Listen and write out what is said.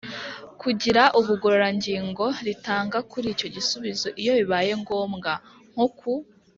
kugira ubugororangingo ritanga kuri icyo gisubizo iyo bibaye ngombwa. Nko ku